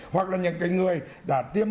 hoặc là những người đã tiêm